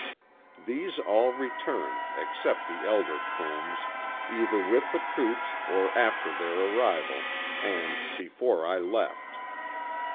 These all returned, except the elder Combs, either with the troops or after their arrival, and before I left.